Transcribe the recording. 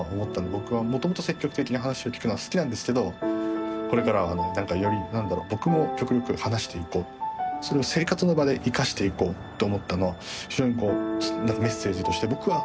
僕はもともと積極的に話を聞くのは好きなんですけどこれからは何かより何だろ僕も極力話していこうそれを生活の場で生かしていこうと思ったのは非常にこうメッセージとして僕は勝手に受け取りました